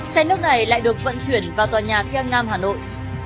xe nước này lại được vận chuyển vào tòa nhà kheng nam hà nội